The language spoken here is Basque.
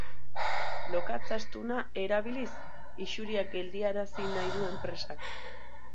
Lokatz astuna erabiliz isuria geldiarazi nahi du enpresak.